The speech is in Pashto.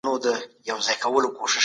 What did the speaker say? احمد پرون له غره راکوز سو.